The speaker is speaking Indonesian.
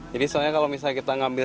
jadi soalnya kalau misalnya kita ngambil